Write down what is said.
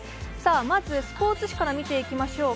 まず、スポーツ紙から見ていきましょう。